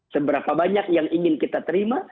seberapa banyak yang ingin kita terima